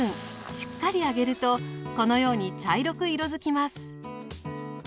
しっかり揚げるとこのように茶色く色づきます。